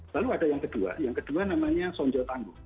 lalu ada yang kedua yang kedua namanya sonjo tangguh